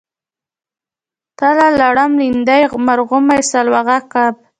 تله لړم لیندۍ مرغومی سلواغه کب